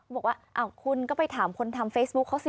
บอกว่าอ้าวคุณก็ไปถามคนทำเฟซบุ๊คเขาสิ